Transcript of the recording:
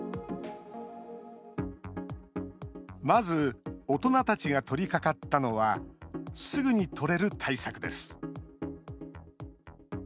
まず、大人たちが取りかかったのは、すぐに取れる対策です。